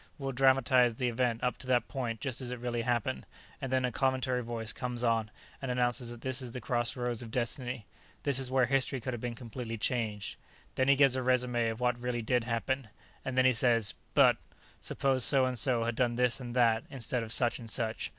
We dramatize the event up to that point just as it really happened, and then a commentary voice comes on and announces that this is the Crossroads of Destiny; this is where history could have been completely changed. Then he gives a resumé of what really did happen, and then he says, 'But suppose so and so had done this and that, instead of such and such.'